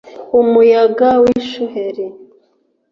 umuyaga w'ishuheri